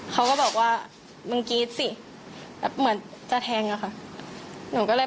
เขาก็บอกว่ามึงกรีดสิแบบเหมือนจะแทงอ่ะค่ะหนูก็เลย